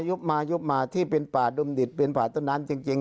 ตอนนี้ย่อมายุบมาที่เป็นป่าดุ่มดิดเป็นป่าต้นนั้นจริง